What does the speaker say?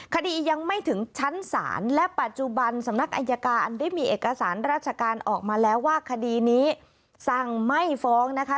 คดียังไม่ถึงชั้นศาลและปัจจุบันสำนักอายการได้มีเอกสารราชการออกมาแล้วว่าคดีนี้สั่งไม่ฟ้องนะคะ